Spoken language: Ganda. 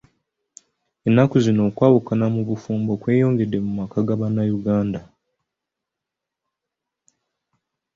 Ennaku zino okwawukana mu bafumbo kweyongedde mu maka ga bannayuganda.